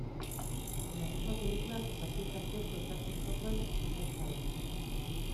En la misma película compartió cartel con Dustin Hoffman y Susan Sarandon.